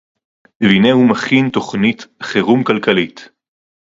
והנה הוא מכין תוכנית חירום כלכלית